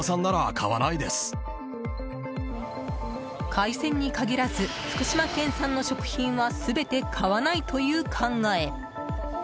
海鮮に限らず福島県産の食品は全て買わないという考え。